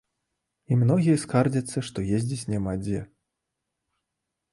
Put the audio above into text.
І многія скардзяцца, што ездзіць няма дзе.